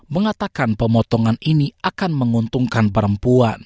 mengatakan pemotongan ini akan menguntungkan perempuan